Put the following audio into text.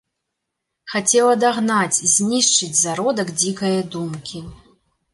Хацеў адагнаць, знішчыць зародак дзікае думкі.